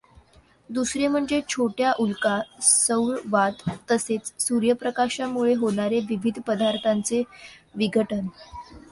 दुसरे म्हणजे छोट्या उल्का, सौरवात तसेच सूर्यप्रकाशामुळे होणारे विविध पदार्थांचे विघटन.